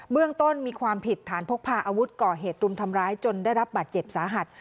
เรื่องต้นมีความผิดฐานพกพาอาวุธก่อเหตุรุมทำร้ายจนได้รับบาดเจ็บสาหัส